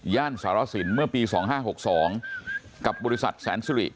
ย่านสารสินเมื่อปีศ๕๕๒และกับบริษัทแสนท์ทรี